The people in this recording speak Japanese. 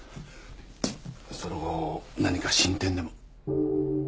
その後何か進展でも。